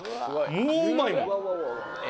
もううまいもん。